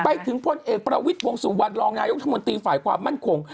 ไปถึงพลเอกประวิทย์วงสุวรรณรองนายกรัฐมนตรีฝ่ายความมั่นคง